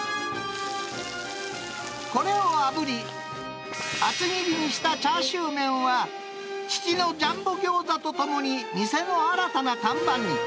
これをあぶり、厚切りにしたチャーシューメンは、父のジャンボギョーザとともに、店の新たな看板に。